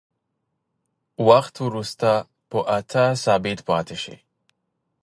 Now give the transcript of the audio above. وخت وروسته په اته ثابت پاتې شي.